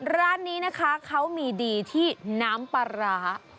ร้านนี้นะคะเขามีดีที่น้ำปลาร้า